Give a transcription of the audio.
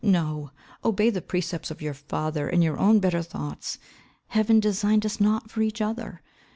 No. Obey the precepts of your father and your own better thoughts. Heaven designed us not for each other.